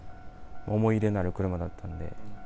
思い入れのある車だったので。